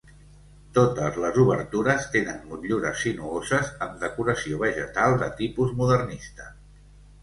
Totes les obertures tenen motllures sinuoses amb decoració vegetal de tipus modernista.